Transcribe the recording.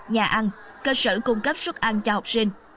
nhà ăn cơ sở cung cấp suất ăn cho học sinh